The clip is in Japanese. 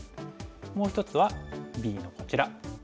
もう１つはＢのこちら。